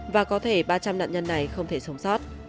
và có thể ba trăm linh nạn nhân này không thể sống sót